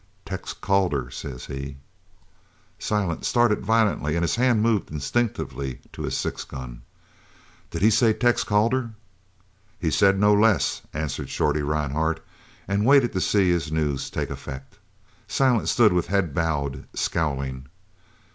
"'Tex Calder!' says he." Silent started violently, and his hand moved instinctively to his six gun. "Did he say Tex Calder?" "He said no less," answered Shorty Rhinehart, and waited to see his news take effect. Silent stood with head bowed, scowling.